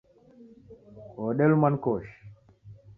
Wodelumwa ni koshi